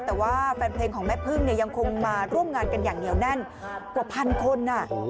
แต่ว่าแฟนเพลงของแม่พึ่งเนี่ยยังคงมาร่วมงานกันอย่างเหนียวแน่นกว่าพันคน